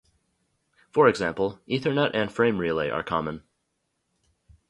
For example, Ethernet and Frame Relay are common.